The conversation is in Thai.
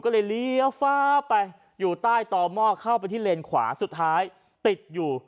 ก็เลยเลี้ยวฟ้าไปอยู่ใต้ต่อหม้อเข้าไปที่เลนขวาสุดท้ายติดอยู่